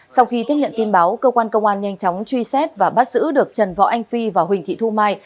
sau khi tiếp nhận tin báo công an tp tây ninh nhanh chóng truy xét và bắt giữ được trần võ anh phi và huỳnh thị thu mai